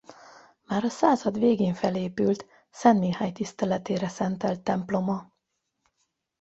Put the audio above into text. Már a század végén felépült Szent Mihály tiszteletére szentelt temploma.